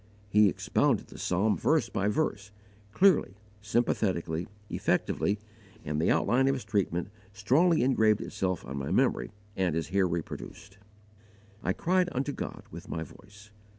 He expounded the psalm verse by verse, clearly, sympathetically, effectively, and the outline of his treatment strongly engraved itself on my memory and is here reproduced. "I cried unto God with my voice."